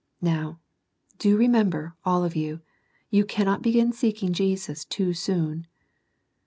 Now, do remember, all of you, you cannot begin seeking Jesus too soon.